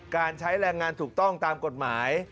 การใช้แรงงานถูกต้องตามกฎหมาย